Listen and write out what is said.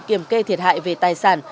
kiểm kê thiệt hại về tài sản